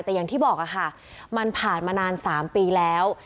แต่อย่างที่บอกค่ะมันผ่านมานาน๓ปีแล้ว